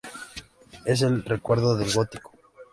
Es el recuerdo del Gótico.